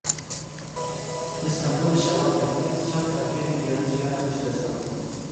Li Stenbolê şewat derket çar karkerên biyanî jiyana xwe ji dest dan.